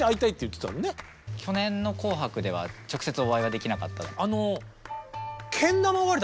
去年の「紅白」では直接お会いはできなかった？